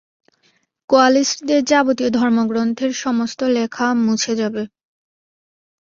কোয়ালিস্টদের যাবতীয় ধর্মগ্রন্থের সমস্ত লেখা মুছে যাবে।